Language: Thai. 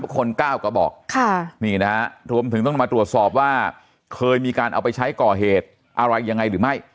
คน๙กระบอกนี่นะฮะรวมถึงต้องมาตรวจสอบว่าเคยมีการเอาไปใช้ก่อเหตุอะไรยังไงหรือไม่